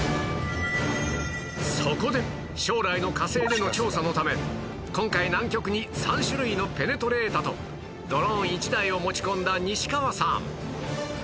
そこで将来の火星での調査のため今回南極に３種類のペネトレータとドローン１台を持ち込んだ西川さん